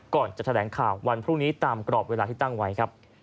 ก่อนจะแถลงข่าววันพรุ่งนี้ตามกรอบเวลาที่ตั้งไว้ครับ